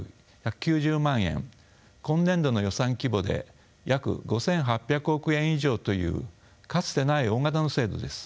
今年度の予算規模で約５，８００億円以上というかつてない大型の制度です。